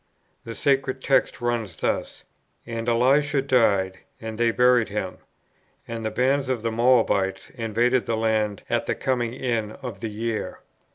The sacred text runs thus: "And Elisha died, and they buried him. And the bands of the Moabites invaded the land at the coming in of the year.